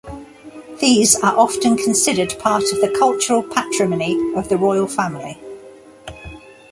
These are often considered part of the cultural patrimony of the royal family.